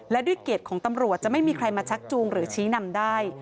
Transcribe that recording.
และด้วยเกียรติของตำรวจจะไม่มีใครมาชักจูงหรือชี้นำได้